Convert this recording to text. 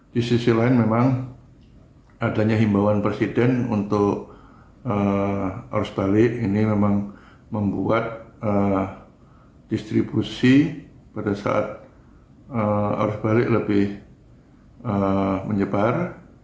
di sisi lain memang adanya himbauan presiden untuk arus balik ini memang membuat distribusi pada saat arus balik lebih menyebar